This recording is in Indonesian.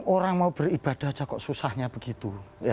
orang mau beribadah aja kok susahnya begitu